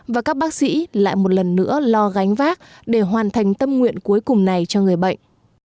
và các bác sĩ lại một lần nữa lo gánh vác để hoàn thành tâm nguyện cuối cùng này cho người bệnh